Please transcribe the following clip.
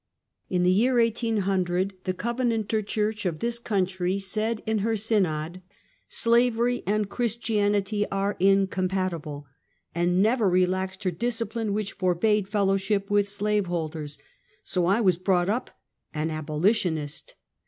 In the year 1800, the Covenanter church of this country said in her synod :" Slavery and Christianity are incompatible," and never relaxed her discipline which forbade fellowship with slave holders — so I was brought up an abolitionist.